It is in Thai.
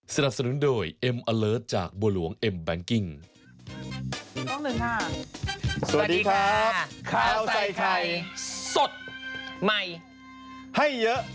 สวัสดีครับข้าวใส่ไข่สดใหม่ให้เยอะ